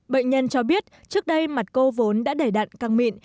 bệnh nhân cho biết trước đây mặt cô vốn đã đẩy đạn căng mịn